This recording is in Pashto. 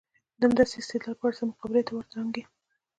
د همداسې استدلال پر اساس مقابلې ته ور دانګي.